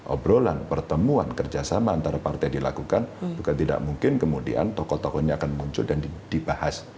obrolan pertemuan kerjasama antara partai dilakukan bukan tidak mungkin kemudian tokoh tokohnya akan berubah